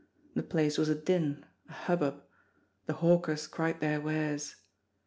The place was a din, a hubbub. The hawkers cried their wares.